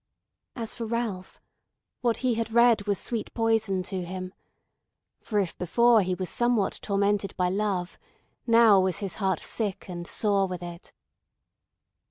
As for Ralph, what he had read was sweet poison to him; for if before he was somewhat tormented by love, now was his heart sick and sore with it.